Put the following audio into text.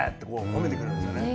褒めてくれるんですよね。